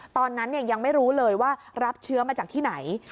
ตอนนั้นยังไม่รู้เลยว่ารับเชื้อมาจากที่ไหน